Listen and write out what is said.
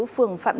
phường phạn ngọc